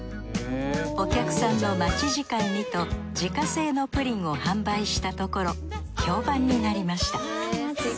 お客さんの待ち時間にと自家製のプリンを販売したところ評判になりました。